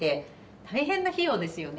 大変な費用ですよね。